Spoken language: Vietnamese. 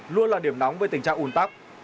luôn là điểm nóng với tình trạng un tắc